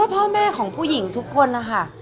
พ่อแม่ของผู้หญิงทุกคนนะคะ